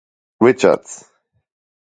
Richards.